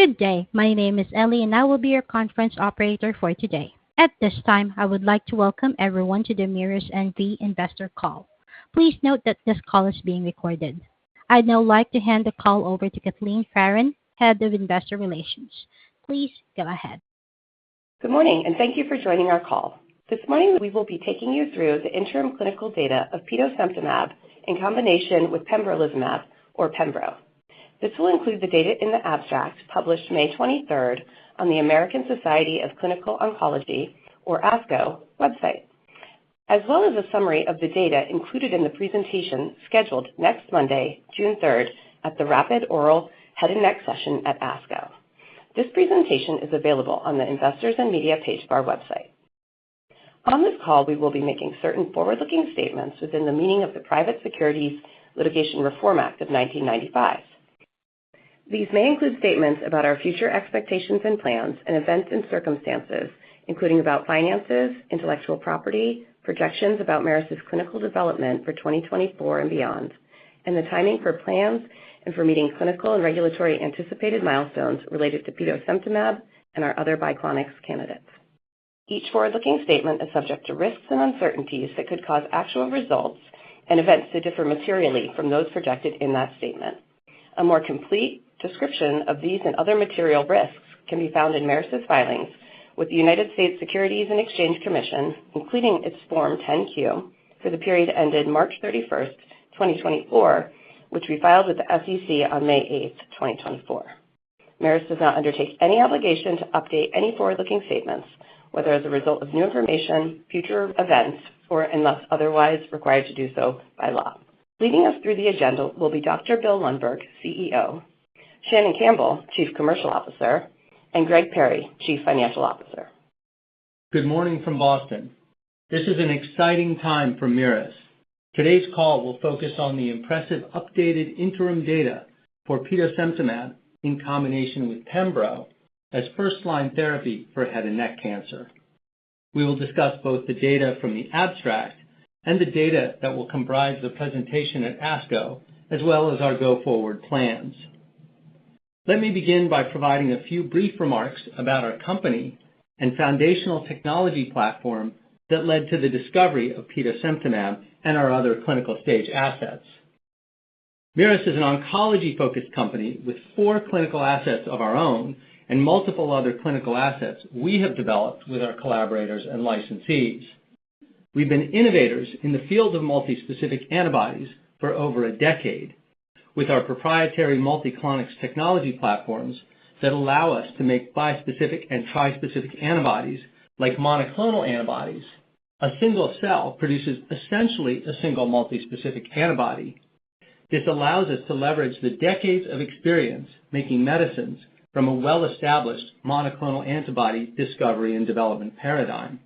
Good day! My name is Ellie, and I will be your conference operator for today. At this time, I would like to welcome everyone to the Merus MD investor call. Please note that this call is being recorded. I'd now like to hand the call over to Kathleen Farren, Head of Investor Relations. Please go ahead. Good morning, and thank you for joining our call. This morning, we will be taking you through the interim clinical data of petosemtamab in combination with pembrolizumab or pembro. This will include the data in the abstract, published May 23rd on the American Society of Clinical Oncology, or ASCO, website, as well as a summary of the data included in the presentation, scheduled next Monday, June 3rd, at the Rapid Oral Head and Neck Session at ASCO. This presentation is available on the Investors and Media page of our website. On this call, we will be making certain forward-looking statements within the meaning of the Private Securities Litigation Reform Act of 1995. These may include statements about our future expectations and plans, and events and circumstances, including about finances, intellectual property, projections about Merus's clinical development for 2024 and beyond, and the timing for plans and for meeting clinical and regulatory anticipated milestones related to petosemtamab and our other Biclonics candidates. Each forward-looking statement is subject to risks and uncertainties that could cause actual results and events to differ materially from those projected in that statement. A more complete description of these and other material risks can be found in Merus's filings with the United States Securities and Exchange Commission, including its Form 10-Q for the period ended March 31st, 2024, which we filed with the SEC on May 8th, 2024. Merus does not undertake any obligation to update any forward-looking statements, whether as a result of new information, future events, or unless otherwise required to do so by law. Leading us through the agenda will be Dr. Bill Lundberg, CEO, Shannon Campbell, Chief Commercial Officer, and Greg Perry, Chief Financial Officer. Good morning from Boston. This is an exciting time for Merus. Today's call will focus on the impressive updated interim data for petosemtamab in combination with pembro as first-line therapy for head and neck cancer. We will discuss both the data from the abstract and the data that will comprise the presentation at ASCO, as well as our go-forward plans. Let me begin by providing a few brief remarks about our company and foundational technology platform that led to the discovery of petosemtamab and our other clinical-stage assets. Merus is an oncology-focused company with four clinical assets of our own and multiple other clinical assets we have developed with our collaborators and licensees. We've been innovators in the field of multispecific antibodies for over a decade, with our proprietary Multiclonics technology platforms that allow us to make bispecific and trispecific antibodies. Like monoclonal antibodies, a single cell produces essentially a single multispecific antibody. This allows us to leverage the decades of experience making medicines from a well-established monoclonal antibody discovery and development paradigm,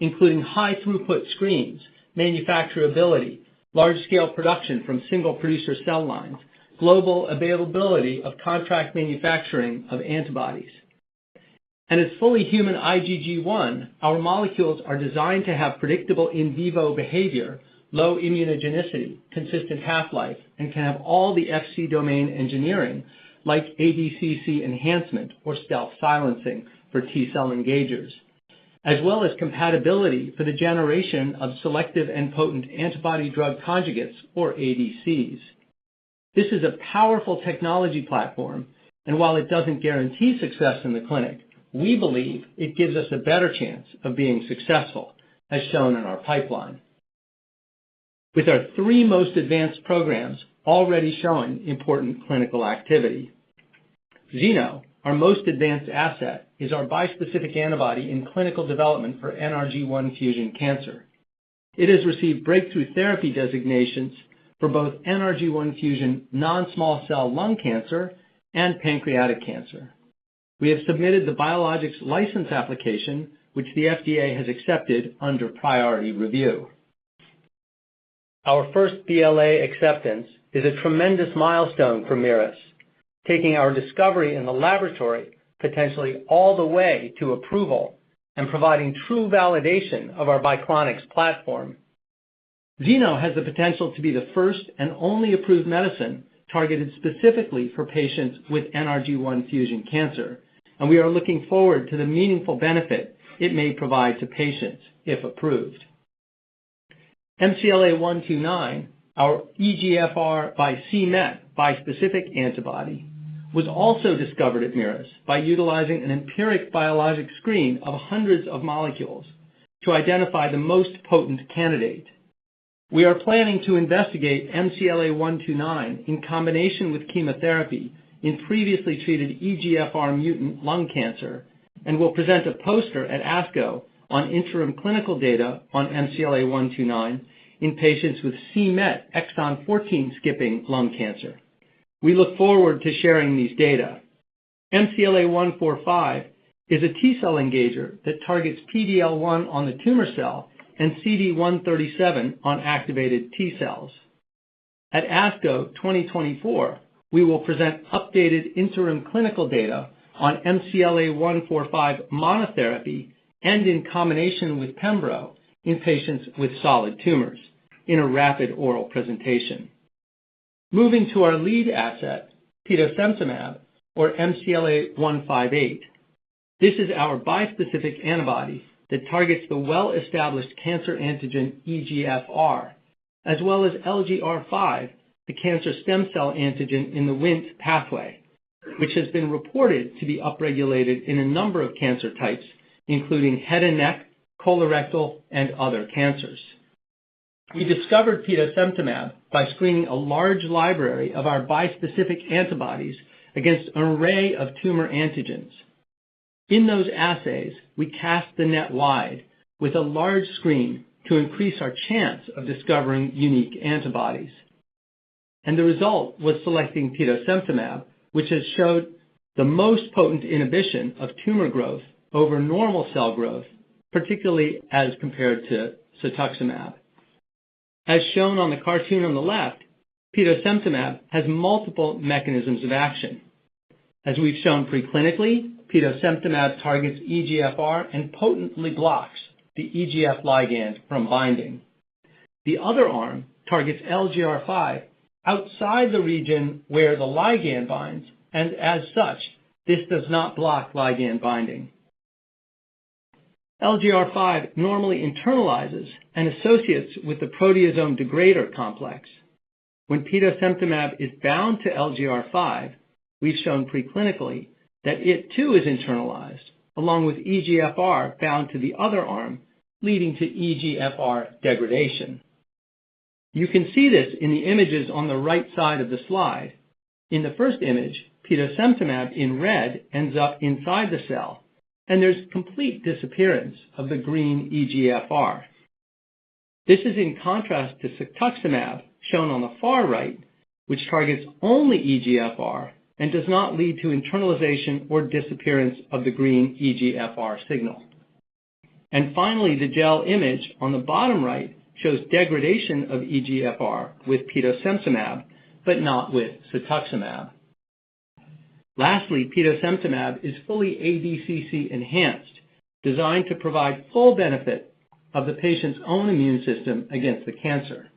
including high-throughput screens, manufacturability, large-scale production from single-producer cell lines, global availability of contract manufacturing of antibodies. As fully human IgG1, our molecules are designed to have predictable in vivo behavior, low immunogenicity, consistent half-life, and can have all the Fc domain engineering, like ADCC enhancement or stealth silencing for T-cell engagers, as well as compatibility for the generation of selective and potent antibody drug conjugates, or ADCs. This is a powerful technology platform, and while it doesn't guarantee success in the clinic, we believe it gives us a better chance of being successful, as shown in our pipeline. With our three most advanced programs already showing important clinical activity, Zeno, our most advanced asset, is our bispecific antibody in clinical development for NRG-1 fusion cancer. It has received breakthrough therapy designations for both NRG-1 fusion, non-small cell lung cancer, and pancreatic cancer. We have submitted the biologics license application, which the FDA has accepted under priority review. Our first BLA acceptance is a tremendous milestone for Merus, taking our discovery in the laboratory potentially all the way to approval and providing true validation of our Biclonics platform. Zeno has the potential to be the first and only approved medicine targeted specifically for patients with NRG-1 fusion cancer, and we are looking forward to the meaningful benefit it may provide to patients if approved. MCLA-129, our EGFR and c-MET bispecific antibody, was also discovered at Merus by utilizing an empirical biological screen of hundreds of molecules to identify the most potent candidate. We are planning to investigate MCLA-129 in combination with chemotherapy in previously treated EGFR mutant lung cancer and will present a poster at ASCO on interim clinical data on MCLA-129 in patients with c-MET exon 14 skipping lung cancer. We look forward to sharing these data. MCLA-145 is a T-cell engager that targets PD-L1 on the tumor cell and CD137 on activated T-cells. At ASCO 2024, we will present updated interim clinical data on MCLA-145 monotherapy and in combination with pembro in patients with solid tumors, in a rapid oral presentation. Moving to our lead asset, petosemtamab, or MCLA-158. This is our bispecific antibody that targets the well-established cancer antigen EGFR, as well as LGR5, the cancer stem cell antigen in the Wnt pathway, which has been reported to be upregulated in a number of cancer types, including head and neck, colorectal, and other cancers. We discovered Petosemtamab by screening a large library of our bispecific antibodies against an array of tumor antigens. In those assays, we cast the net wide with a large screen to increase our chance of discovering unique antibodies. And the result was selecting Petosemtamab, which has showed the most potent inhibition of tumor growth over normal cell growth, particularly as compared to cetuximab. As shown on the cartoon on the left, petosemtamab has multiple mechanisms of action. As we've shown preclinically, petosemtamab targets EGFR and potently blocks the EGF ligand from binding. The other arm targets LGR5 outside the region where the ligand binds, and as such, this does not block ligand binding. LGR5 normally internalizes and associates with the proteasome degrader complex. When Petosemtamab is bound to LGR5, we've shown preclinically that it too is internalized, along with EGFR bound to the other arm, leading to EGFR degradation. You can see this in the images on the right side of the slide. In the first image, Petosemtamab in red ends up inside the cell, and there's complete disappearance of the green EGFR. This is in contrast to cetuximab, shown on the far right, which targets only EGFR and does not lead to internalization or disappearance of the green EGFR signal. Finally, the gel image on the bottom right shows degradation of EGFR with Petosemtamab, but not with cetuximab. Lastly, petosemtamab is fully ADCC-enhanced, designed to provide full benefit of the patient's own immune system against the cancer.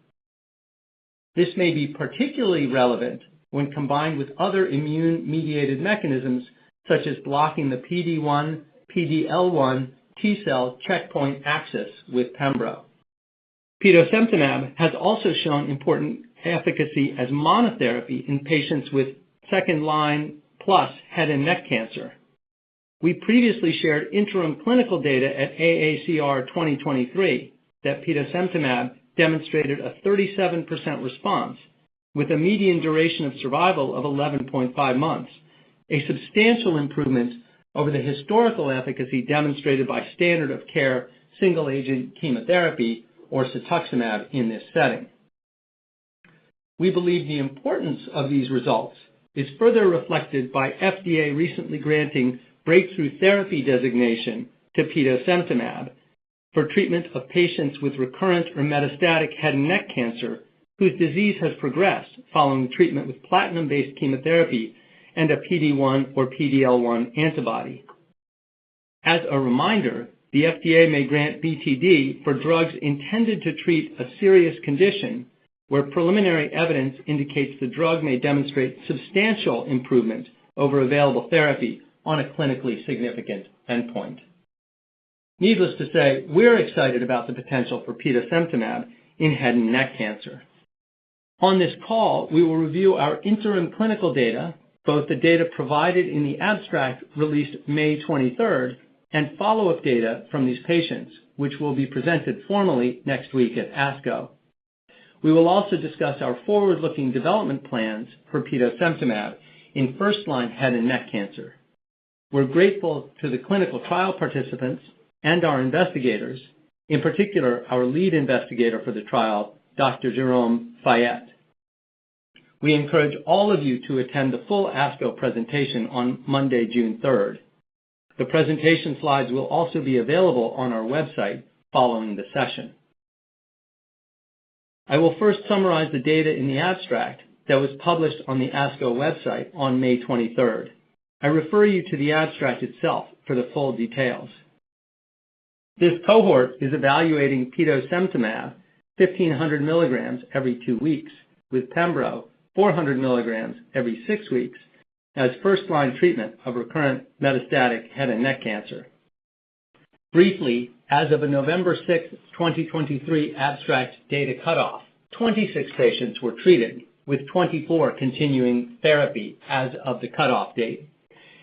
This may be particularly relevant when combined with other immune-mediated mechanisms, such as blocking the PD-1, PD-L1 T-cell checkpoint axis with pembro. Petosemtamab has also shown important efficacy as monotherapy in patients with second-line plus head and neck cancer. We previously shared interim clinical data at AACR 2023, that petosemtamab demonstrated a 37% response with a median duration of survival of 11.5 months, a substantial improvement over the historical efficacy demonstrated by standard of care, single-agent chemotherapy, or cetuximab in this setting. We believe the importance of these results is further reflected by FDA recently granting breakthrough therapy designation to Petosemtamab for treatment of patients with recurrent or metastatic head and neck cancer, whose disease has progressed following treatment with platinum-based chemotherapy and a PD-1 or PD-L1 antibody. As a reminder, the FDA may grant BTD for drugs intended to treat a serious condition, where preliminary evidence indicates the drug may demonstrate substantial improvement over available therapy on a clinically significant endpoint. Needless to say, we're excited about the potential for Petosemtamab in head and neck cancer. On this call, we will review our interim clinical data, both the data provided in the abstract released May 23rd, and follow-up data from these patients, which will be presented formally next week at ASCO. We will also discuss our forward-looking development plans for Petosemtamab in first-line head and neck cancer. We're grateful to the clinical trial participants and our investigators, in particular, our lead investigator for the trial, Dr. Jérôme Fayette. We encourage all of you to attend the full ASCO presentation on Monday, June 3rd. The presentation slides will also be available on our website following the session. I will first summarize the data in the abstract that was published on the ASCO website on May 23rd. I refer you to the abstract itself for the full details. This cohort is evaluating petosemtamab, 1,500 milligrams every two weeks, with pembro, 400 milligrams every six weeks, as first-line treatment of recurrent metastatic head and neck cancer. Briefly, as of November 6th, 2023 abstract data cutoff, 26 patients were treated, with 24 continuing therapy as of the cutoff date,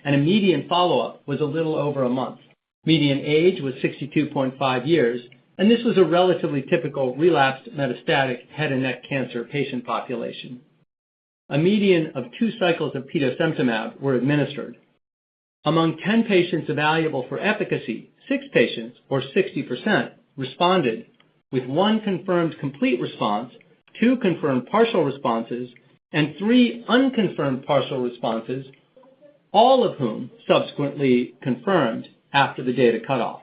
and a median follow-up was a little over a month. Median age was 62.5 years, and this was a relatively typical relapsed metastatic head and neck cancer patient population. A median of two cycles of Petosemtamab were administered. Among 10 patients evaluable for efficacy, six patients or 60%, responded, with one confirmed complete response, two confirmed partial responses, and three unconfirmed partial responses, all of whom subsequently confirmed after the data cutoff.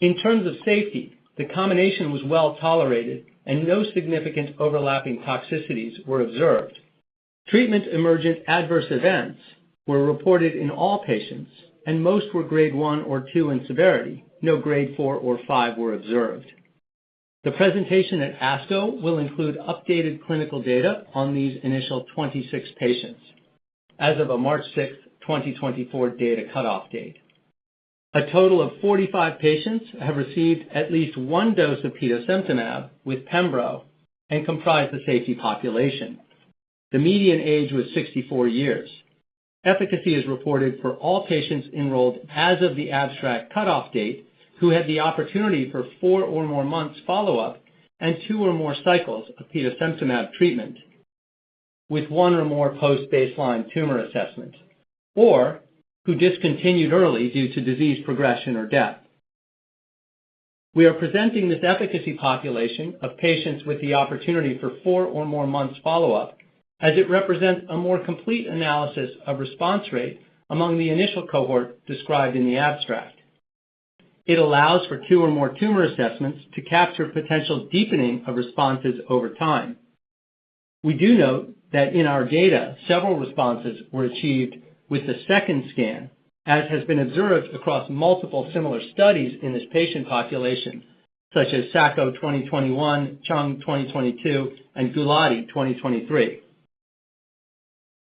In terms of safety, the combination was well tolerated and no significant overlapping toxicities were observed. Treatment-emergent adverse events were reported in all patients, and most were Grade one or two in severity. No Grade four or five were observed. The presentation at ASCO will include updated clinical data on these initial 26 patients as of a March 6th, 2024, data cutoff date. A total of 45 patients have received at least one dose of Petosemtamab with pembro and comprise the safety population. The median age was 64 years. Efficacy is reported for all patients enrolled as of the abstract cutoff date, who had the opportunity for four or more months follow-up and two or more cycles of petosemtamab treatment, with one or more post-baseline tumor assessments, or who discontinued early due to disease progression or death. We are presenting this efficacy population of patients with the opportunity for four or more months follow-up, as it represents a more complete analysis of response rate among the initial cohort described in the abstract. It allows for two or more tumor assessments to capture potential deepening of responses over time. We do note that in our data, several responses were achieved with the second scan, as has been observed across multiple similar studies in this patient population, such as Sacco 2021, Chung 2022, and Gulati 2023.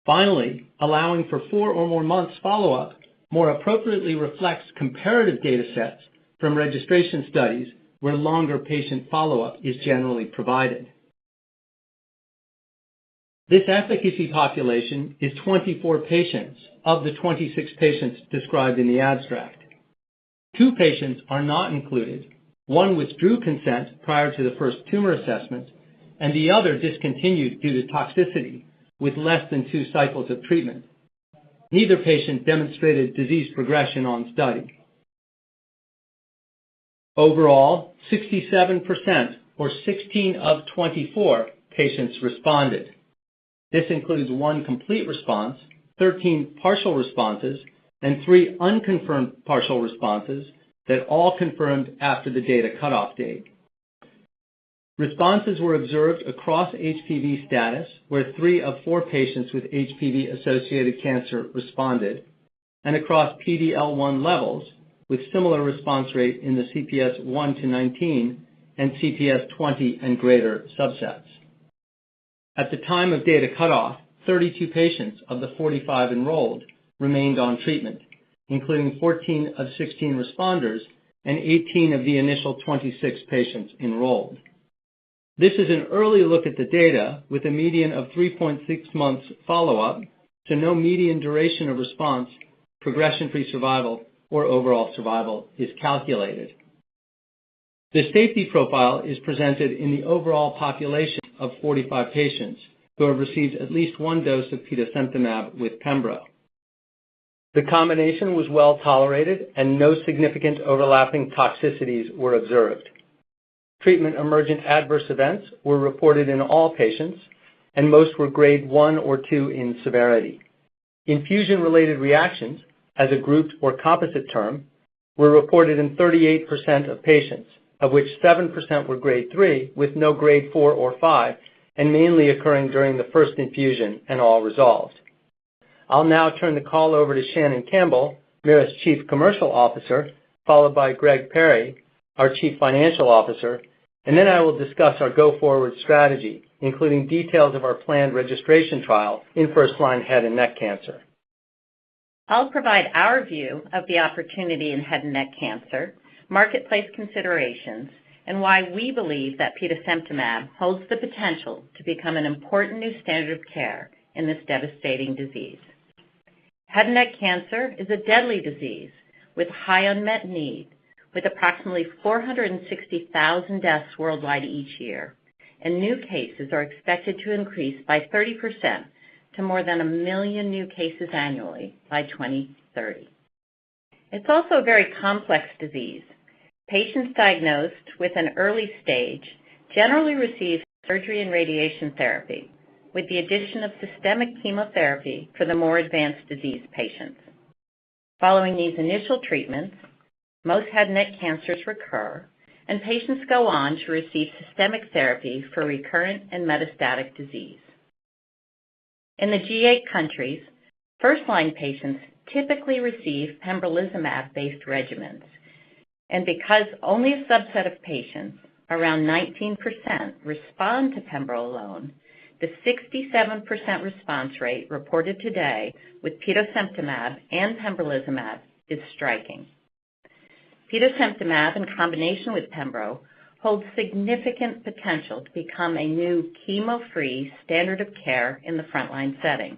Finally, allowing for four or more months follow-up, more appropriately reflects comparative data sets from registration studies, where longer patient follow-up is generally provided. This efficacy population is 24 patients of the 26 patients described in the abstract. Two patients are not included. One withdrew consent prior to the first tumor assessment, and the other discontinued due to toxicity with less than two cycles of treatment. Neither patient demonstrated disease progression on study. Overall, 67%, or 16 of 24, patients responded. This includes one complete response, 13 partial responses, and three unconfirmed partial responses that all confirmed after the data cutoff date. Responses were observed across HPV status, where three of four patients with HPV-associated cancer responded, and across PD-L1 levels, with similar response rate in the CPS 1-19 and CPS 20 and greater subsets. At the time of data cutoff, 32 patients of the 45 enrolled remained on treatment, including 14 of 16 responders and 18 of the initial 26 patients enrolled. This is an early look at the data, with a median of 3.6 months follow-up, so no median duration of response, progression-free survival, or overall survival is calculated. The safety profile is presented in the overall population of 45 patients who have received at least one dose of petosemtamab with pembro. The combination was well tolerated, and no significant overlapping toxicities were observed. Treatment-emergent adverse events were reported in all patients, and most were Grade one or two in severity. Infusion-related reactions, as a grouped or composite term, were reported in 38% of patients, of which 7% were Grade three, with no Grade four or five, and mainly occurring during the first infusion and all resolved. I'll now turn the call over to Shannon Campbell, Merus Chief Commercial Officer, followed by Greg Perry, our Chief Financial Officer, and then I will discuss our go-forward strategy, including details of our planned registration trial in first-line head and neck cancer. I'll provide our view of the opportunity in head and neck cancer, marketplace considerations, and why we believe that petosemtamab holds the potential to become an important new standard of care in this devastating disease. Head and neck cancer is a deadly disease with high unmet need, with approximately 460,000 deaths worldwide each year, and new cases are expected to increase by 30% to more than 1 million new cases annually by 2030. It's also a very complex disease. Patients diagnosed with an early stage generally receive surgery and radiation therapy, with the addition of systemic chemotherapy for the more advanced disease patients. Following these initial treatments, most head and neck cancers recur, and patients go on to receive systemic therapy for recurrent and metastatic disease. In the G8 countries, first-line patients typically receive pembrolizumab-based regimens, and because only a subset of patients, around 19%, respond to pembro alone, the 67% response rate reported today with petosemtamab and pembrolizumab is striking. Petosemtamab, in combination with pembro, holds significant potential to become a new chemo-free standard of care in the frontline setting.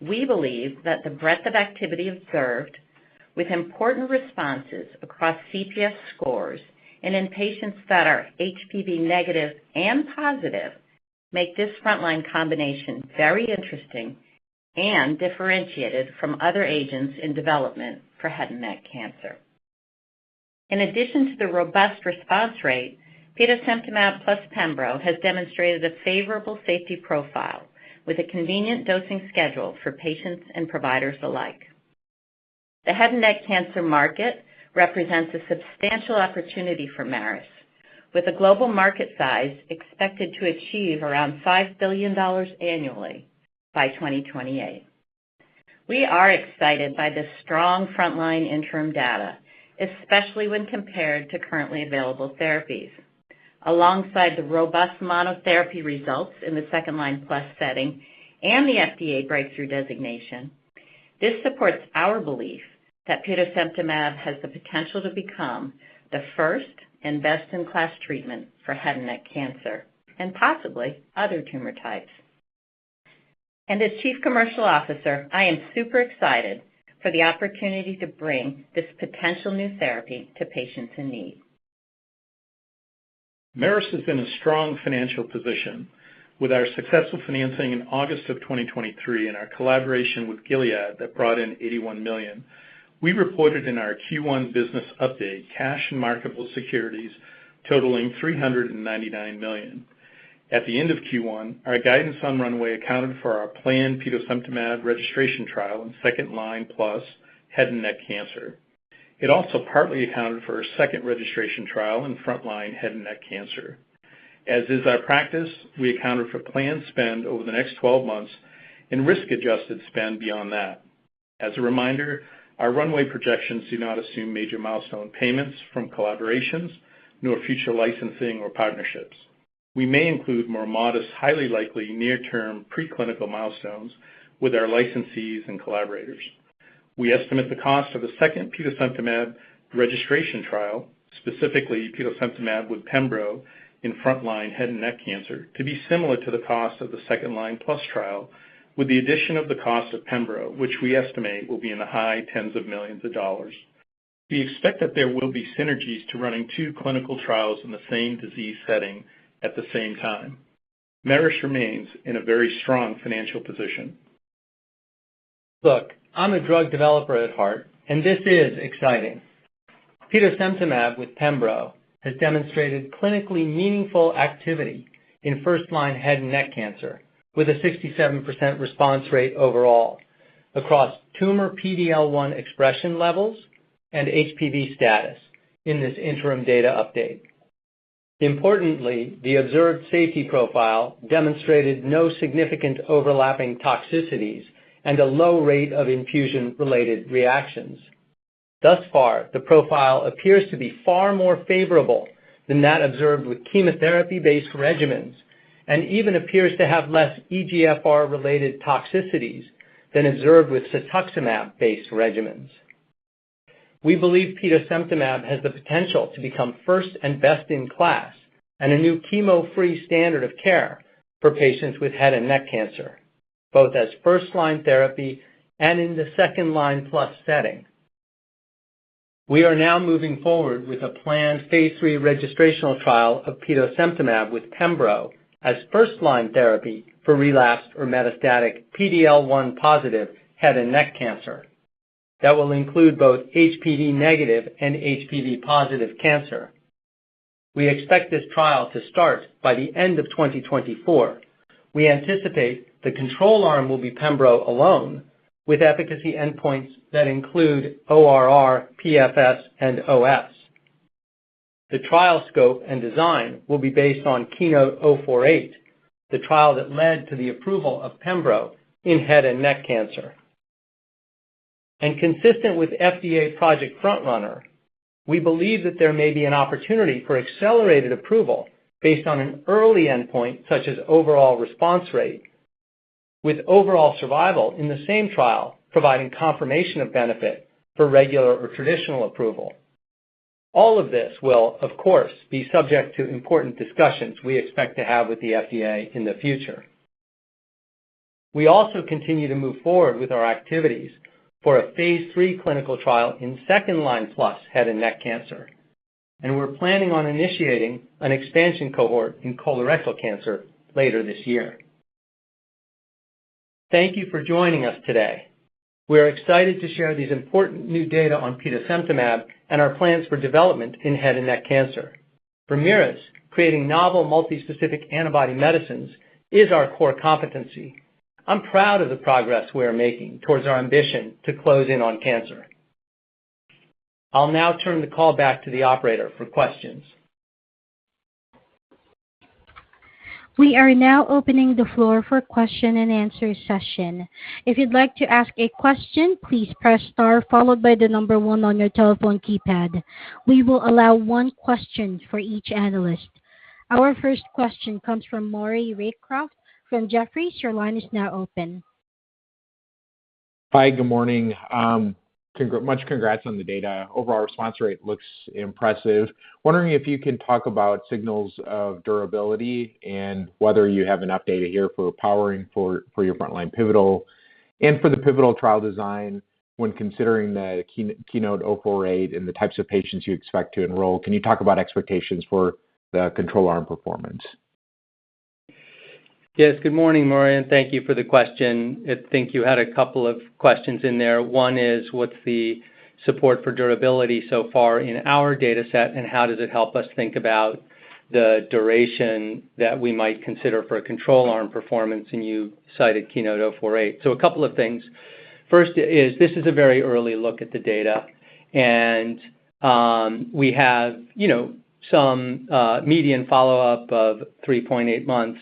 We believe that the breadth of activity observed with important responses across CPS scores and in patients that are HPV negative and positive, make this frontline combination very interesting and differentiated from other agents in development for head and neck cancer. In addition to the robust response rate, petosemtamab plus pembro has demonstrated a favorable safety profile with a convenient dosing schedule for patients and providers alike. The head and neck cancer market represents a substantial opportunity for Merus, with a global market size expected to achieve around $5 billion annually by 2028. We are excited by this strong frontline interim data, especially when compared to currently available therapies. Alongside the robust monotherapy results in the second-line plus setting and the FDA breakthrough designation, this supports our belief that petosemtamab has the potential to become the first and best-in-class treatment for head and neck cancer, and possibly other tumor types. As Chief Commercial Officer, I am super excited for the opportunity to bring this potential new therapy to patients in need. Merus is in a strong financial position. With our successful financing in August of 2023 and our collaboration with Gilead that brought in $81 million, we reported in our Q1 business update, cash and marketable securities totaling $399 million. At the end of Q1, our guidance on runway accounted for our planned petosemtamab registration trial in second-line plus head and neck cancer. It also partly accounted for a second registration trial in frontline head and neck cancer. As is our practice, we accounted for planned spend over the next 12 months and risk-adjusted spend beyond that. As a reminder, our runway projections do not assume major milestone payments from collaborations, nor future licensing or partnerships. We may include more modest, highly likely, near-term preclinical milestones with our licensees and collaborators. We estimate the cost of the second petosemtamab registration trial, specifically petosemtamab with pembro in frontline head and neck cancer, to be similar to the cost of the second-line plus trial, with the addition of the cost of pembro, which we estimate will be in the high tens of $ millions. We expect that there will be synergies to running two clinical trials in the same disease setting at the same time. Merus remains in a very strong financial position. Look, I'm a drug developer at heart, and this is exciting. Petosemtamab with pembro has demonstrated clinically meaningful activity in first-line head and neck cancer, with a 67% response rate overall across tumor PD-L1 expression levels and HPV status in this interim data update. Importantly, the observed safety profile demonstrated no significant overlapping toxicities and a low rate of infusion-related reactions. Thus far, the profile appears to be far more favorable than that observed with chemotherapy-based regimens, and even appears to have less EGFR-related toxicities than observed with cetuximab-based regimens. We believe petosemtamab has the potential to become first and best in class, and a new chemo-free standard of care for patients with head and neck cancer, both as first-line therapy and in the second-line plus setting. We are now moving forward with a planned phase III registrational trial of petosemtamab with pembro as first-line therapy for relapsed or metastatic PD-L1 positive head and neck cancer. That will include both HPV-negative and HPV-positive cancer. We expect this trial to start by the end of 2024. We anticipate the control arm will be pembro alone, with efficacy endpoints that include ORR, PFS, and OS. The trial scope and design will be based on KEYNOTE-048, the trial that led to the approval of pembro in head and neck cancer. Consistent with FDA Project FrontRunner, we believe that there may be an opportunity for accelerated approval based on an early endpoint, such as overall response rate, with overall survival in the same trial, providing confirmation of benefit for regular or traditional approval. All of this will, of course, be subject to important discussions we expect to have with the FDA in the future. We also continue to move forward with our activities for a phase III clinical trial in second-line plus head and neck cancer, and we're planning on initiating an expansion cohort in colorectal cancer later this year. Thank you for joining us today. We are excited to share these important new data on petosemtamab and our plans for development in head and neck cancer. For Merus, creating novel multispecific antibody medicines is our core competency. I'm proud of the progress we are making towards our ambition to close in on cancer. I'll now turn the call back to the operator for questions. We are now opening the floor for question and answer session. If you'd like to ask a question, please press star followed by the number one on your telephone keypad. We will allow one question for each analyst. Our first question comes from Maury Raycroft from Jefferies. Your line is now open. Hi, good morning. Much congrats on the data. Overall response rate looks impressive. Wondering if you can talk about signals of durability and whether you have an update a year for powering for your frontline pivotal? And for the pivotal trial design, when considering the KEYNOTE-048 and the types of patients you expect to enroll, can you talk about expectations for the control arm performance? Yes, good morning, Maury, and thank you for the question. I think you had a couple of questions in there. One is, what's the support for durability so far in our dataset, and how does it help us think about the duration that we might consider for a control arm performance, and you cited KEYNOTE-048. So a couple of things. First is, this is a very early look at the data, and we have, you know, some median follow-up of 3.8 months.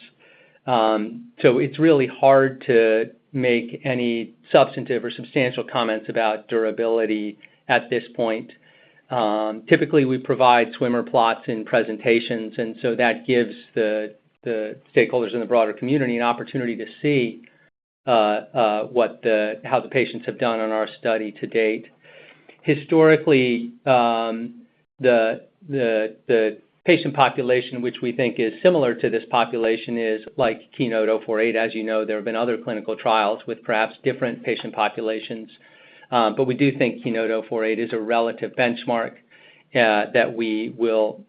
So it's really hard to make any substantive or substantial comments about durability at this point. Typically, we provide swimmer plots in presentations, and so that gives the stakeholders in the broader community an opportunity to see how the patients have done on our study to date. Historically, the patient population, which we think is similar to this population, is like KEYNOTE-048. As you know, there have been other clinical trials with perhaps different patient populations, but we do think KEYNOTE-048 is a relative benchmark that we will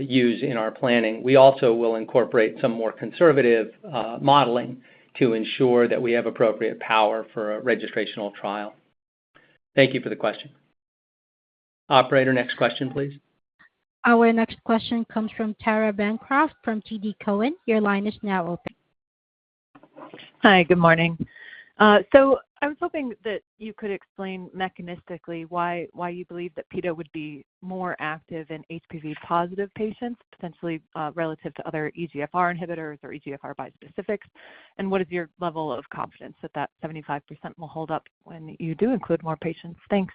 use in our planning. We also will incorporate some more conservative modeling to ensure that we have appropriate power for a registrational trial. Thank you for the question. Operator, next question, please. Our next question comes from Tara Bancroft from TD Cowen. Your line is now open. Hi, good morning. So I was hoping that you could explain mechanistically why, why you believe that petosemtamab would be more active in HPV positive patients, potentially, relative to other EGFR inhibitors or EGFR bispecifics? And what is your level of confidence that that 75% will hold up when you do include more patients? Thanks.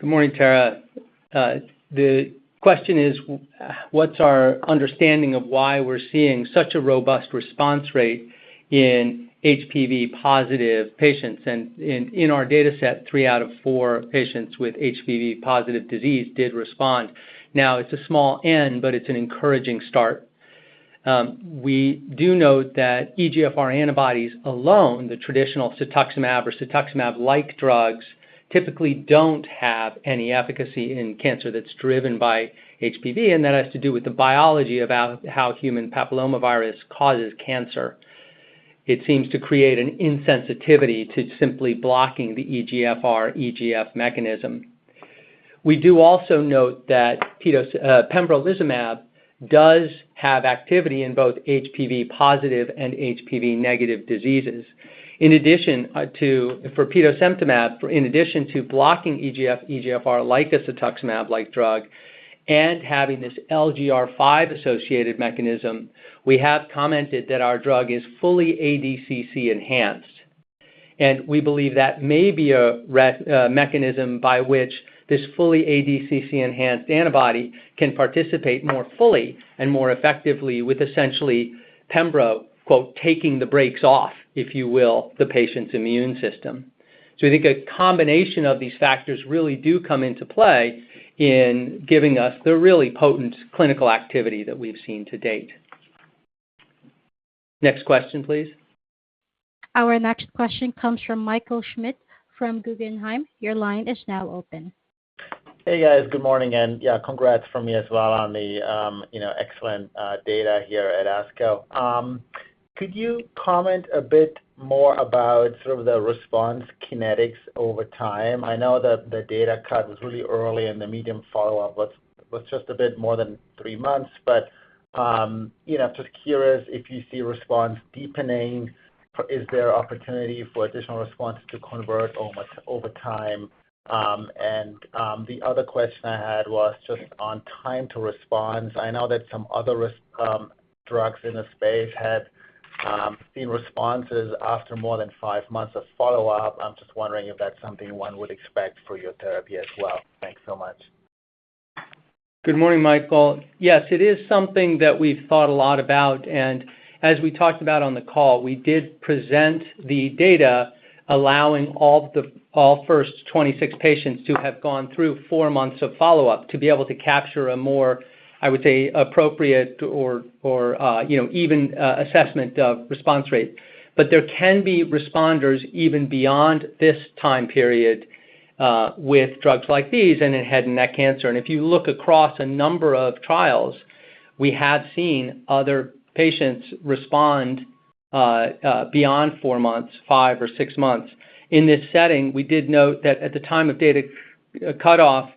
Good morning, Tara. The question is, what's our understanding of why we're seeing such a robust response rate in HPV positive patients? In our dataset, three out of four patients with HPV positive disease did respond. Now, it's a small N, but it's an encouraging start. We do note that EGFR antibodies alone, the traditional Cetuximab or Cetuximab-like drugs, typically don't have any efficacy in cancer that's driven by HPV, and that has to do with the biology about how human papillomavirus causes cancer. It seems to create an insensitivity to simply blocking the EGFR, EGF mechanism. We do also note that pembrolizumab does have activity in both HPV positive and HPV negative diseases. In addition, to... For Petosemtamab, in addition to blocking EGF, EGFR, like a cetuximab-like drug and having this LGR5 associated mechanism, we have commented that our drug is fully ADCC enhanced. And we believe that may be a real mechanism by which this fully ADCC-enhanced antibody can participate more fully and more effectively with essentially pembro, quote, "taking the brakes off," if you will, the patient's immune system. So we think a combination of these factors really do come into play in giving us the really potent clinical activity that we've seen to date. Next question, please. Our next question comes from Michael Schmidt from Guggenheim. Your line is now open. Hey, guys. Good morning, and, yeah, congrats from me as well on the, you know, excellent data here at ASCO. Could you comment a bit more about sort of the response kinetics over time? I know that the data cut was really early in the median follow-up, was just a bit more than three months, but, you know, just curious if you see response deepening, is there opportunity for additional responses to convert over time? And, the other question I had was just on time to respond. I know that some other drugs in the space had seen responses after more than five months of follow-up. I'm just wondering if that's something one would expect for your therapy as well. Thanks so much. Good morning, Michael. Yes, it is something that we've thought a lot about, and as we talked about on the call, we did present the data, allowing all the first 26 patients who have gone through 4 months of follow-up to be able to capture a more, I would say, appropriate or, you know, even assessment of response rate. But there can be responders even beyond this time period with drugs like these and in head and neck cancer. And if you look across a number of trials, we have seen other patients respond beyond four months, five or six months. In this setting, we did note that at the time of data cutoff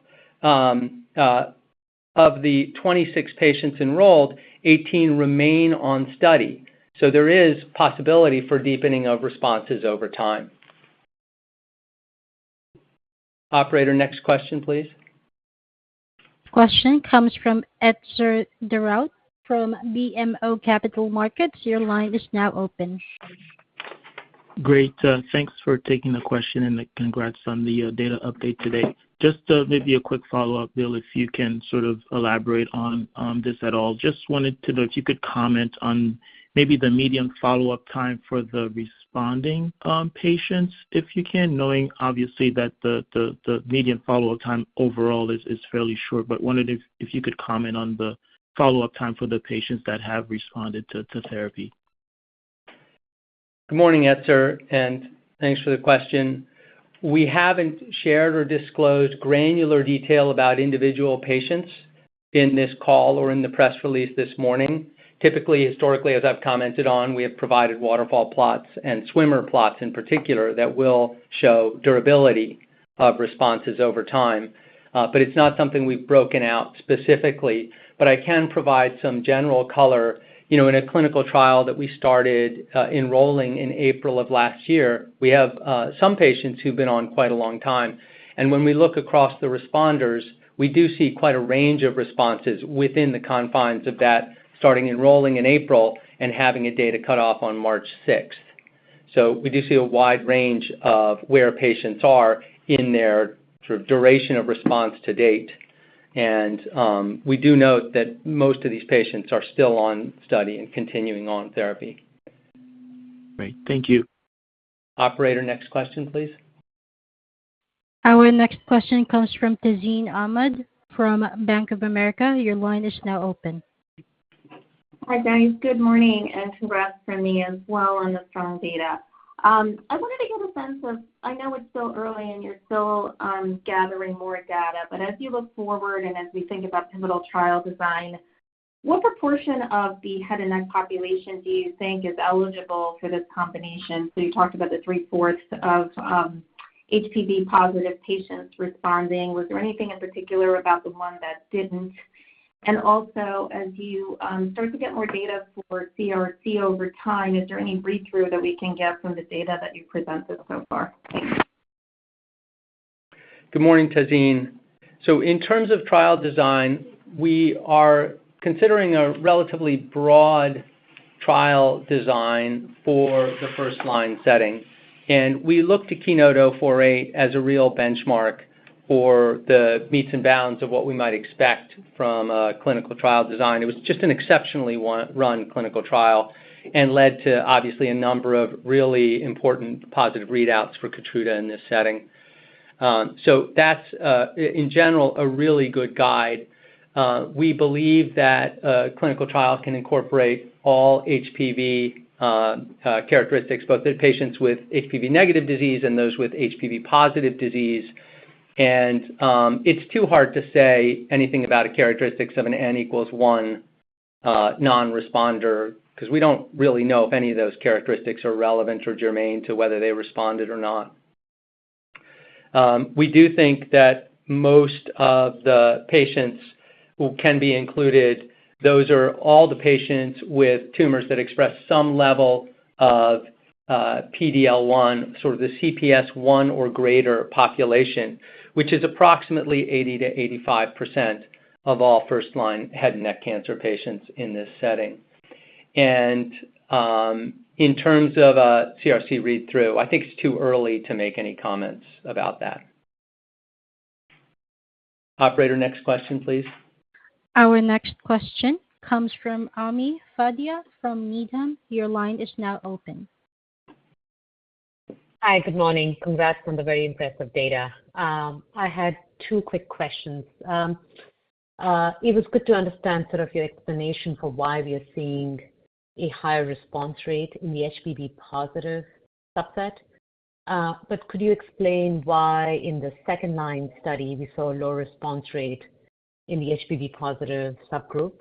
of the 26 patients enrolled, 18 remain on study. So there is possibility for deepening of responses over time. Operator, next question, please. Question comes from Etzer Darout from BMO Capital Markets. Your line is now open. Great, thanks for taking the question, and congrats on the data update today. Just maybe a quick follow-up, Bill, if you can sort of elaborate on this at all. Just wanted to know if you could comment on maybe the median follow-up time for the responding patients, if you can, knowing obviously that the median follow-up time overall is fairly short. But wanted to. If you could comment on the follow-up time for the patients that have responded to therapy. Good morning, Etzer, and thanks for the question. We haven't shared or disclosed granular detail about individual patients in this call or in the press release this morning. Typically, historically, as I've commented on, we have provided waterfall plots and swimmer plots in particular that will show durability of responses over time, but it's not something we've broken out specifically. But I can provide some general color. You know, in a clinical trial that we started enrolling in April of last year, we have some patients who've been on quite a long time, and when we look across the responders, we do see quite a range of responses within the confines of that, starting enrolling in April and having a data cutoff on March 6th. So we do see a wide range of where patients are in their sort of duration of response to date. We do note that most of these patients are still on study and continuing on therapy. Great. Thank you. Operator, next question, please. Our next question comes from Tazeen Ahmad from Bank of America. Your line is now open. Hi, guys. Good morning, and congrats from me as well on the strong data. I wanted to get a sense of... I know it's still early, and you're still gathering more data, but as you look forward and as we think about pivotal trial design, what proportion of the head and neck population do you think is eligible for this combination? So you talked about the three-fourths of HPV-positive patients responding. Was there anything in particular about the one that didn't? And also, as you start to get more data for CRC over time, is there any read-through that we can get from the data that you've presented so far? Good morning, Tazeen. So in terms of trial design, we are considering a relatively broad trial design for the first line setting, and we look to KEYNOTE-048 as a real benchmark for the metes and bounds of what we might expect from a clinical trial design. It was just an exceptionally well-run clinical trial and led to, obviously, a number of really important positive readouts for Keytruda in this setting. So that's, in general, a really good guide. We believe that clinical trials can incorporate all HPV characteristics, both the patients with HPV-negative disease and those with HPV-positive disease. And, it's too hard to say anything about the characteristics of an N=1 non-responder, 'cause we don't really know if any of those characteristics are relevant or germane to whether they responded or not. We do think that most of the patients who can be included, those are all the patients with tumors that express some level of PD-L1, sort of the CPS 1 or greater population, which is approximately 80%-85% of all first-line head and neck cancer patients in this setting. And, in terms of CRC read-through, I think it's too early to make any comments about that. Operator, next question, please. Our next question comes from Ami Fadia from Needham. Your line is now open. Hi, good morning. Congrats on the very impressive data. I had two quick questions. It was good to understand sort of your explanation for why we are seeing a higher response rate in the HPV-positive subset. But could you explain why, in the second-line study, we saw a lower response rate in the HPV-positive subgroup?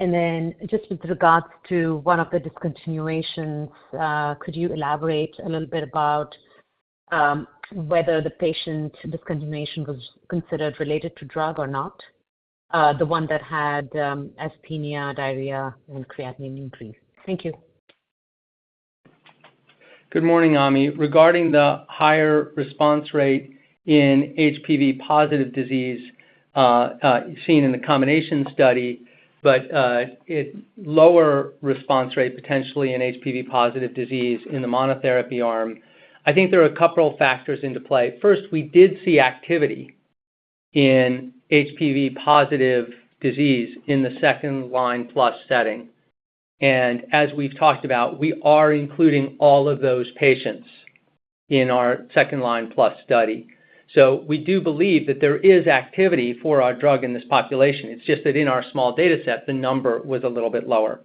And then just with regards to one of the discontinuations, could you elaborate a little bit about whether the patient discontinuation was considered related to drug or not? The one that had asthenia, diarrhea, and creatinine increase. Thank you. Good morning, Ami. Regarding the higher response rate in HPV-positive disease seen in the combination study, but lower response rate potentially in HPV-positive disease in the monotherapy arm, I think there are a couple of factors into play. First, we did see activity in HPV-positive disease in the second-line-plus setting. And as we've talked about, we are including all of those patients in our second-line-plus study. So we do believe that there is activity for our drug in this population. It's just that in our small data set, the number was a little bit lower.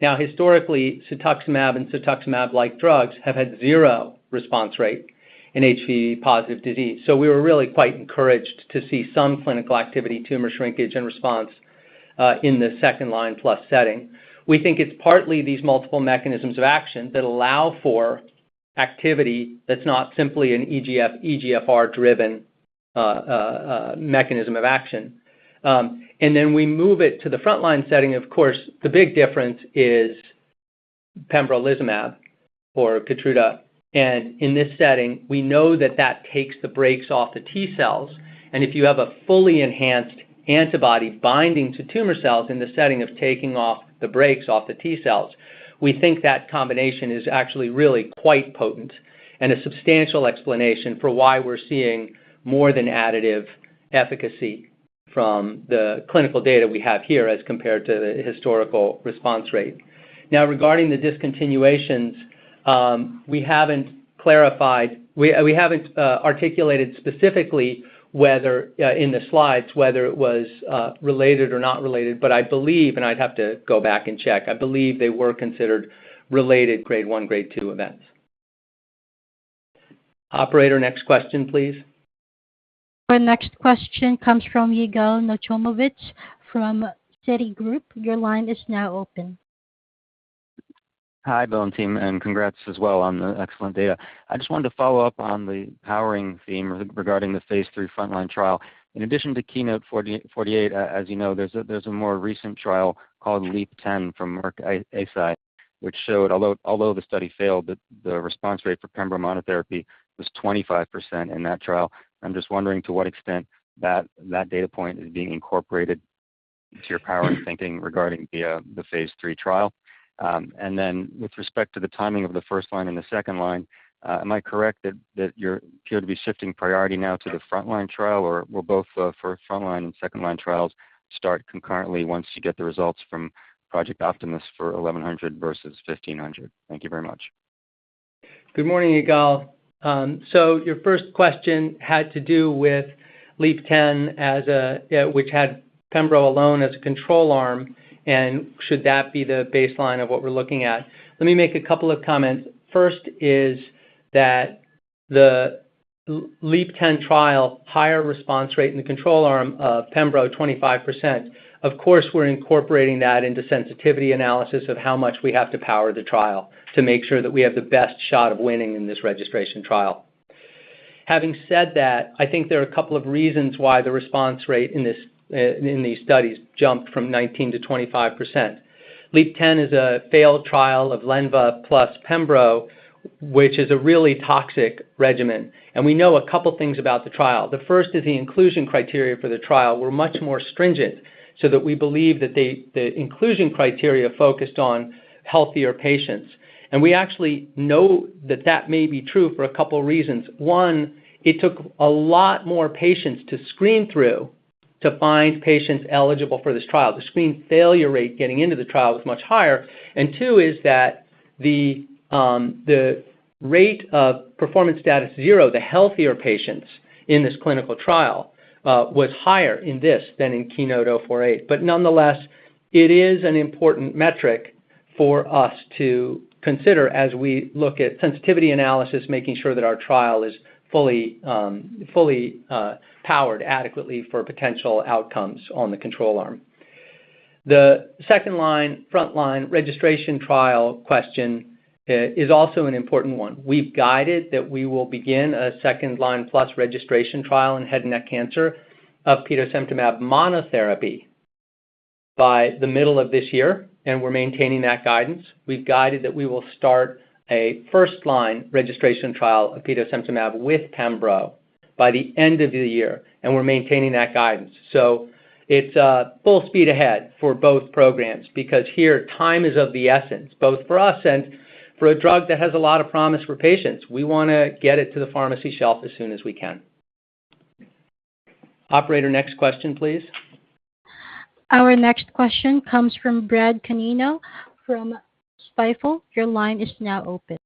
Now, historically, cetuximab and cetuximab-like drugs have had zero response rate in HPV-positive disease. So we were really quite encouraged to see some clinical activity, tumor shrinkage, and response in the second-line-plus setting. We think it's partly these multiple mechanisms of action that allow for activity that's not simply an EGF, EGFR-driven, mechanism of action. And then we move it to the frontline setting, of course, the big difference is pembrolizumab or Keytruda, and in this setting, we know that that takes the brakes off the T-cells. And if you have a fully enhanced antibody binding to tumor cells in the setting of taking off the brakes off the T-cells, we think that combination is actually really quite potent and a substantial explanation for why we're seeing more than additive efficacy from the clinical data we have here as compared to the historical response rate. Now, regarding the discontinuations, we haven't articulated specifically whether, in the slides, whether it was related or not related, but I believe, and I'd have to go back and check, I believe they were considered related grade one, grade two events. Operator, next question, please. Our next question comes from Yigal Nochomovitz from Citigroup. Your line is now open. Hi, Bill and team, and congrats as well on the excellent data. I just wanted to follow up on the powering theme regarding the phase III frontline trial. In addition to KEYNOTE-048, as you know, there's a more recent trial called LEAP-10 from Merck and Eisai, which showed, although the study failed, that the response rate for pembro monotherapy was 25% in that trial. I'm just wondering to what extent that data point is being incorporated into your powering thinking regarding the phase III trial. And then with respect to the timing of the first line and the second line, am I correct that you appear to be shifting priority now to the frontline trial, or will both for frontline and second line trials start concurrently once you get the results from Project Optimus for 1100 versus 1500? Thank you very much. Good morning, Yigal. So your first question had to do with LEAP-10 as a, which had pembro alone as a control arm, and should that be the baseline of what we're looking at? Let me make a couple of comments. First is that the LEAP-10 trial, higher response rate in the control arm of pembro, 25%. Of course, we're incorporating that into sensitivity analysis of how much we have to power the trial to make sure that we have the best shot of winning in this registration trial. Having said that, I think there are a couple of reasons why the response rate in these studies jumped from 19% to 25%. LEAP-10 is a failed trial of Lenvima plus pembro, which is a really toxic regimen, and we know a couple things about the trial. The first is the inclusion criteria for the trial were much more stringent, so that we believe that the inclusion criteria focused on healthier patients. We actually know that that may be true for a couple reasons. One, it took a lot more patients to screen through to find patients eligible for this trial. The screen failure rate getting into the trial was much higher, and two is that the rate of performance status zero, the healthier patients in this clinical trial, was higher in this than in KEYNOTE-048. But nonetheless, it is an important metric for us to consider as we look at sensitivity analysis, making sure that our trial is fully powered adequately for potential outcomes on the control arm. The second line, frontline registration trial question is also an important one. We've guided that we will begin a second line plus registration trial in head and neck cancer of petosemtamab monotherapy by the middle of this year, and we're maintaining that guidance. We've guided that we will start a first-line registration trial of petosemtamab with pembro by the end of the year, and we're maintaining that guidance. So it's, full speed ahead for both programs, because here, time is of the essence, both for us and for a drug that has a lot of promise for patients. We wanna get it to the pharmacy shelf as soon as we can. Operator, next question, please. Our next question comes from Brad Canino from Stifel. Your line is now open.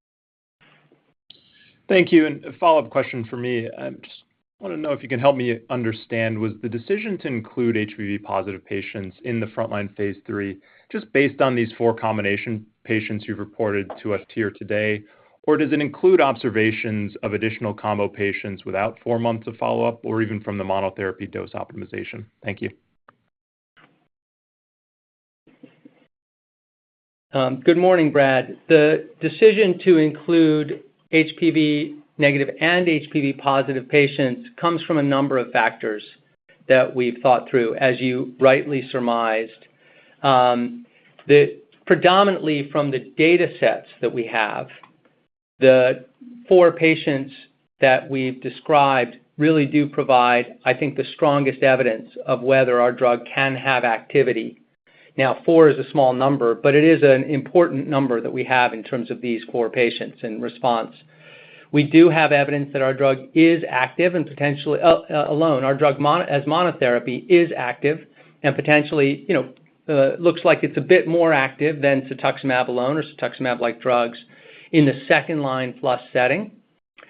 Thank you, and a follow-up question for me. I just wanna know if you can help me understand, was the decision to include HPV positive patients in the frontline phase III just based on these four combination patients you've reported to us here today, or does it include observations of additional combo patients without four months of follow-up or even from the monotherapy dose optimization? Thank you. Good morning, Brad. The decision to include HPV negative and HPV positive patients comes from a number of factors that we've thought through, as you rightly surmised. Predominantly from the data sets that we have, the four patients that we've described really do provide, I think, the strongest evidence of whether our drug can have activity. Now, four is a small number, but it is an important number that we have in terms of these four patients in response. We do have evidence that our drug is active and potentially, alone. Our drug mono, as monotherapy is active and potentially, you know, looks like it's a bit more active than cetuximab alone or cetuximab-like drugs in the second-line plus setting.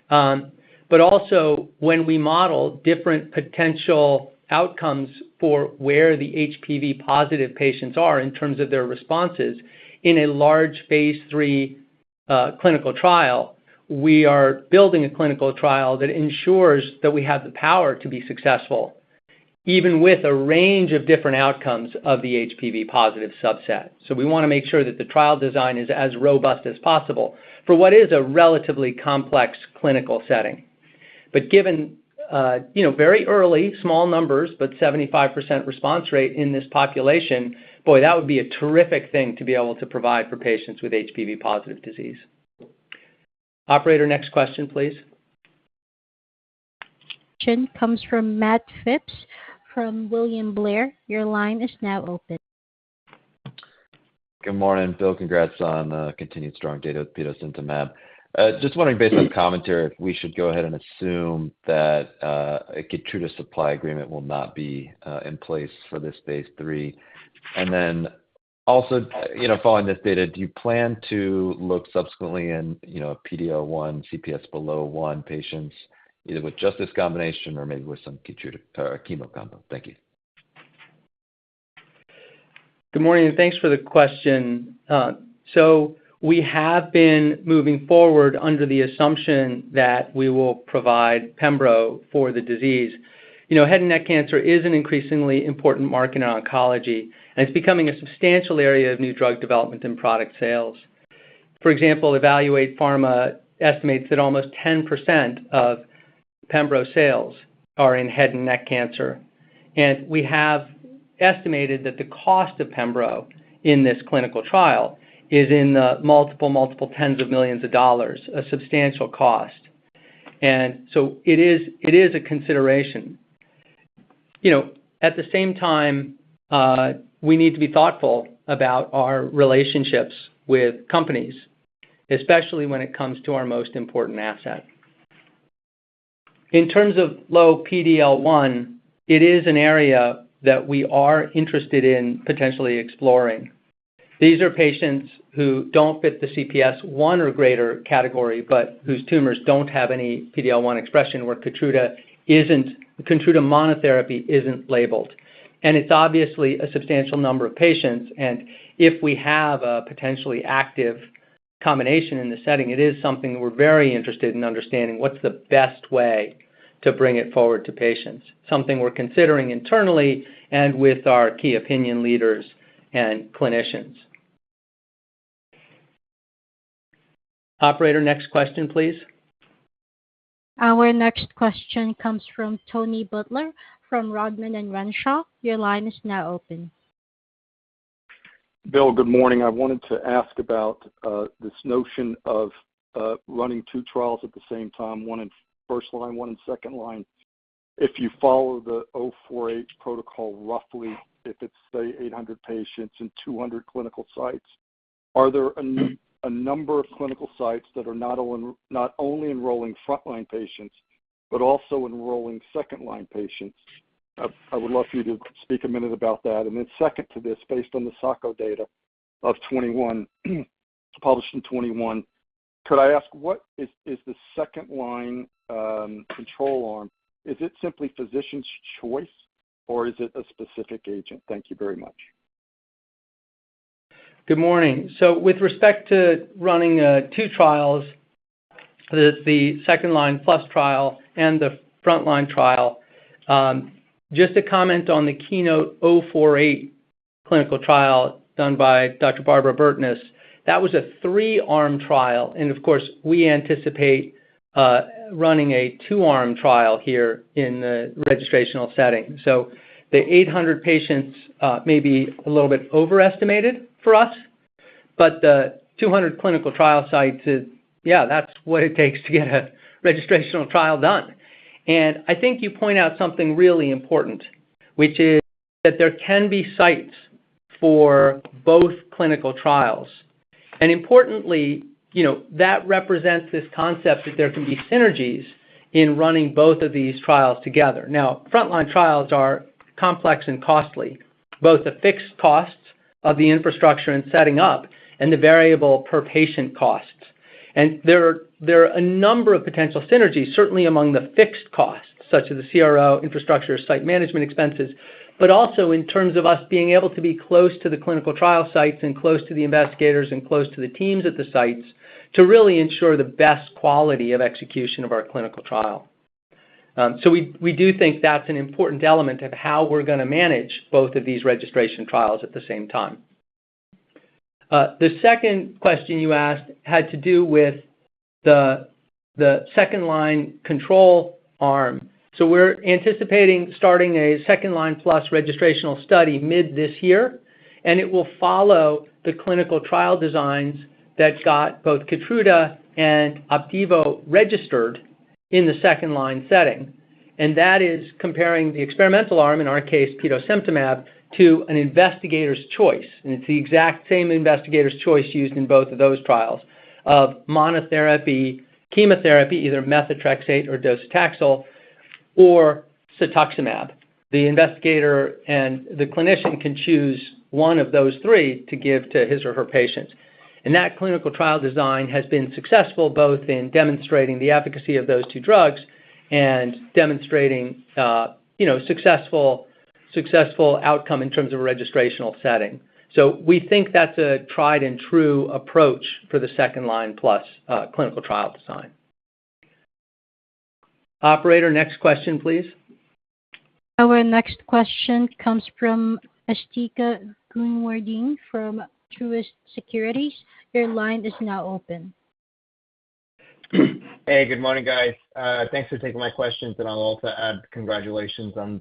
But also when we model different potential outcomes for where the HPV positive patients are in terms of their responses in a large Phase III clinical trial, we are building a clinical trial that ensures that we have the power to be successful, even with a range of different outcomes of the HPV positive subset. So we wanna make sure that the trial design is as robust as possible for what is a relatively complex clinical setting. But given you know, very early, small numbers, but 75% response rate in this population, boy, that would be a terrific thing to be able to provide for patients with HPV positive disease. Operator, next question, please.... Question comes from Matt Phipps from William Blair. Your line is now open. Good morning, Bill. Congrats on continued strong data with petosemtamab. Just wondering, based on commentary, if we should go ahead and assume that a Keytruda supply agreement will not be in place for this phase III. And then also, you know, following this data, do you plan to look subsequently in, you know, PD-L1, CPS below one patients, either with just this combination or maybe with some Keytruda or chemo combo? Thank you. Good morning, and thanks for the question. So we have been moving forward under the assumption that we will provide pembro for the disease. You know, head and neck cancer is an increasingly important market in oncology, and it's becoming a substantial area of new drug development and product sales. For example, EvaluatePharma estimates that almost 10% of pembro sales are in head and neck cancer. We have estimated that the cost of pembro in this clinical trial is in the multiple, multiple tens of millions of dollars, a substantial cost. So it is a consideration. You know, at the same time, we need to be thoughtful about our relationships with companies, especially when it comes to our most important asset. In terms of low PD-L1, it is an area that we are interested in potentially exploring. These are patients who don't fit the CPS-1 or greater category, but whose tumors don't have any PD-L1 expression, where Keytruda isn't--Keytruda monotherapy isn't labeled. It's obviously a substantial number of patients, and if we have a potentially active combination in this setting, it is something we're very interested in understanding what's the best way to bring it forward to patients. Something we're considering internally and with our key opinion leaders and clinicians. Operator, next question, please. Our next question comes from Tony Butler from Rodman & Renshaw. Your line is now open. Bill, good morning. I wanted to ask about this notion of running two trials at the same time, one in first line, one in second line. If you follow the KEYNOTE-048 protocol, roughly, if it's, say, 800 patients and 200 clinical sites, are there a number of clinical sites that are not only enrolling frontline patients, but also enrolling second-line patients? I would love for you to speak a minute about that. And then second to this, based on the Sacco data of 2021, published in 2021, could I ask, what is the second line control arm? Is it simply physician's choice, or is it a specific agent? Thank you very much. Good morning. So with respect to running two trials, the second line plus trial and the frontline trial, just to comment on the KEYNOTE-048 clinical trial done by Dr. Barbara Burtness, that was a three-arm trial, and of course, we anticipate running a two-arm trial here in the registrational setting. So the 800 patients may be a little bit overestimated for us, but the 200 clinical trial sites is, yeah, that's what it takes to get a registrational trial done. And I think you point out something really important, which is that there can be sites for both clinical trials. And importantly, you know, that represents this concept that there can be synergies in running both of these trials together. Now, frontline trials are complex and costly, both the fixed costs of the infrastructure and setting up and the variable per patient costs. There are a number of potential synergies, certainly among the fixed costs, such as the CRO, infrastructure, site management expenses, but also in terms of us being able to be close to the clinical trial sites and close to the investigators and close to the teams at the sites to really ensure the best quality of execution of our clinical trial. So we do think that's an important element of how we're gonna manage both of these registration trials at the same time. The second question you asked had to do with the second line control arm. So we're anticipating starting a second-line plus registrational study mid this year, and it will follow the clinical trial designs that got both Keytruda and Opdivo registered in the second-line setting. And that is comparing the experimental arm, in our case, petosemtamab, to an investigator's choice. And it's the exact same investigator's choice used in both of those trials of monotherapy, chemotherapy, either methotrexate or docetaxel, or cetuximab. The investigator and the clinician can choose one of those three to give to his or her patients. And that clinical trial design has been successful, both in demonstrating the efficacy of those two drugs and demonstrating, you know, successful, successful outcome in terms of a registrational setting. So we think that's a tried and true approach for the second-line, plus, clinical trial design. Operator, next question, please. Our next question comes from Asthika Goonewardene from Truist Securities. Your line is now open. Hey, good morning, guys. Thanks for taking my questions, and I'll also add congratulations on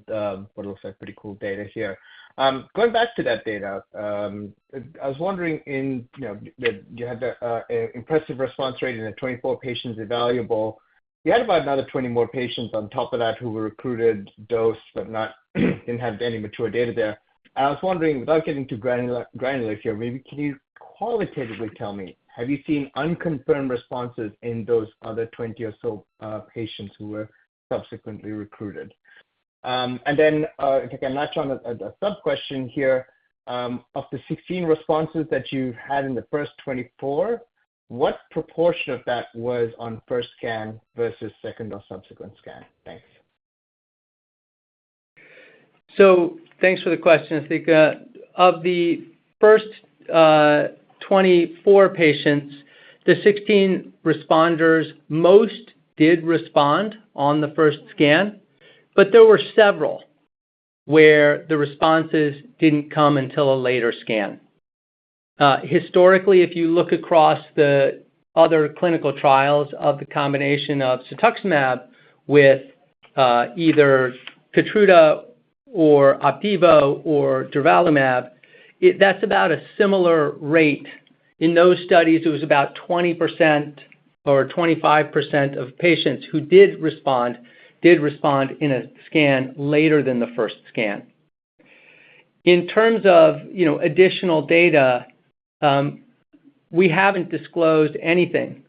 what looks like pretty cool data here. Going back to that data, I was wondering in, you know, you had the impressive response rate and the 24 patients evaluable. You had about another 20 more patients on top of that who were recruited, dosed, but not, didn't have any mature data there. I was wondering, without getting too granular here, maybe can you qualitatively tell me, have you seen unconfirmed responses in those other 20 or so patients who were subsequently recruited? And then, if I can latch on a subquestion here, of the 16 responses that you've had in the first 24, what proportion of that was on first scan versus second or subsequent scan? Thanks. So thanks for the question, Asthika. Of the first 24 patients, the 16 responders, most did respond on the first scan, but there were several where the responses didn't come until a later scan. Historically, if you look across the other clinical trials of the combination of cetuximab with either Keytruda or Opdivo or durvalumab, it's about a similar rate. In those studies, it was about 20% or 25% of patients who did respond, did respond in a scan later than the first scan. In terms of, you know, additional data, we haven't disclosed anything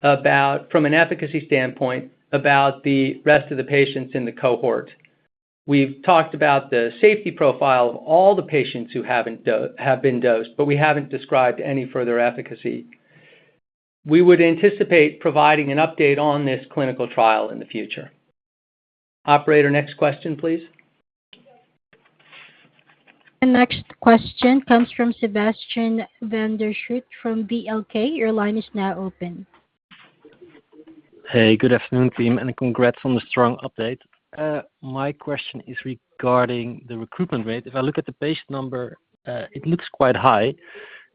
about, from an efficacy standpoint, about the rest of the patients in the cohort. We've talked about the safety profile of all the patients who have been dosed, but we haven't described any further efficacy. We would anticipate providing an update on this clinical trial in the future. Operator, next question, please. The next question comes from Sebastiaan van der Schoot from Van Lanschot Kempen. Your line is now open. Hey, good afternoon, team, and congrats on the strong update. My question is regarding the recruitment rate. If I look at the base number, it looks quite high.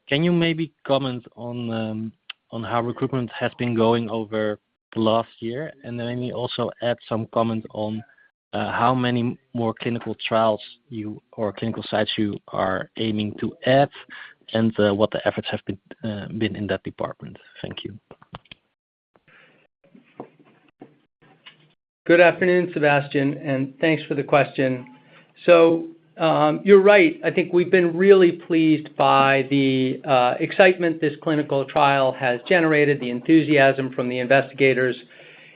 Can you maybe comment on how recruitment has been going over the last year? And then maybe also add some comment on how many more clinical trials you or clinical sites you are aiming to add, and what the efforts have been in that department. Thank you. Good afternoon, Sebastian, and thanks for the question. So, you're right. I think we've been really pleased by the excitement this clinical trial has generated, the enthusiasm from the investigators,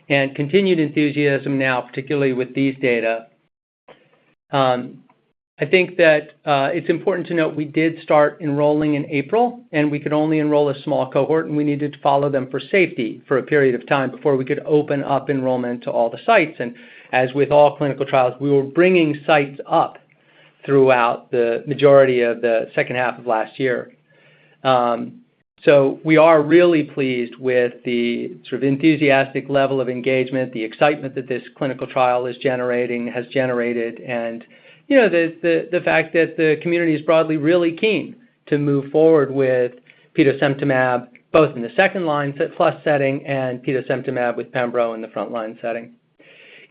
and continued enthusiasm now, particularly with these data. I think that it's important to note we did start enrolling in April, and we could only enroll a small cohort, and we needed to follow them for safety for a period of time before we could open up enrollment to all the sites. And as with all clinical trials, we were bringing sites up throughout the majority of the second half of last year. So we are really pleased with the sort of enthusiastic level of engagement, the excitement that this clinical trial is generating... has generated, and, you know, the fact that the community is broadly really keen to move forward with petosemtamab, both in the second line plus setting and petosemtamab with pembro in the frontline setting.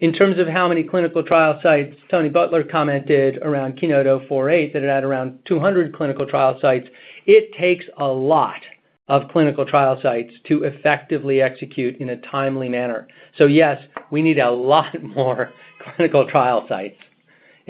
In terms of how many clinical trial sites, Tony Butler commented around KEYNOTE-048, that it had around 200 clinical trial sites. It takes a lot of clinical trial sites to effectively execute in a timely manner. So yes, we need a lot more clinical trial sites.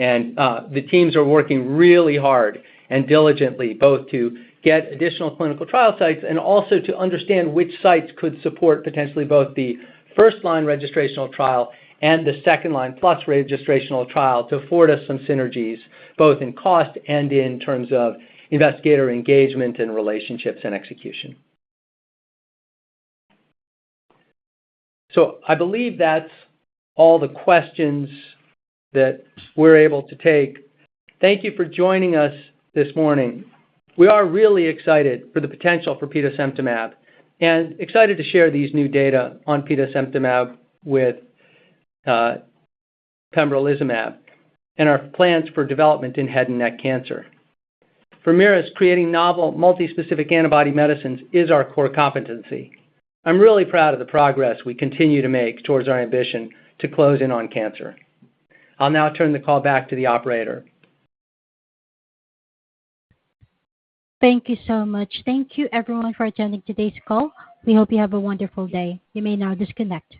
And, the teams are working really hard and diligently, both to get additional clinical trial sites and also to understand which sites could support potentially both the first-line registrational trial and the second-line plus registrational trial to afford us some synergies, both in cost and in terms of investigator engagement and relationships and execution. So I believe that's all the questions that we're able to take. Thank you for joining us this morning. We are really excited for the potential for petosemtamab, and excited to share these new data on petosemtamab with pembrolizumab, and our plans for development in head and neck cancer. For Merus, creating novel multi-specific antibody medicines is our core competency. I'm really proud of the progress we continue to make towards our ambition to close in on cancer. I'll now turn the call back to the operator. Thank you so much. Thank you, everyone, for attending today's call. We hope you have a wonderful day. You may now disconnect.